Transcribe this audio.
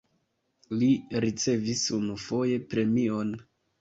Li ricevis unufoje premion.